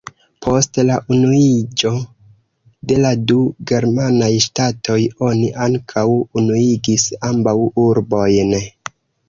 Post la unuiĝo de la du germanaj ŝtatoj oni ankaŭ unuigis ambaŭ urbojn.